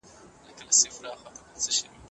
که ته غواړې چې خبرې وکړو نو تلیفون دې خلاص کړه.